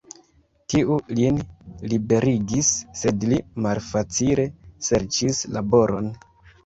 Tiu lin liberigis, sed li malfacile serĉis laboron.